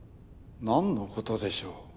何のことでしょう？